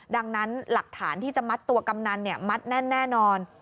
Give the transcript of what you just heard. ดังนั้นหลักฐานที่จะมัดตัวกำนันมัดแน่นแน่นอน